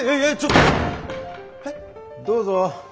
どうぞ。